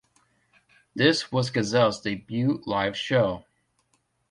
This was Gazelle's debut live show.